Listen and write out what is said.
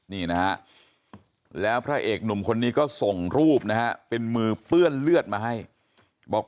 นี่นะฮะแล้วพระเอกหนุ่มคนนี้ก็ส่งรูปนะฮะเป็นมือเปื้อนเลือดมาให้บอก